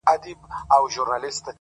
ته مور” وطن او د دنيا ښكلا ته شعر ليكې”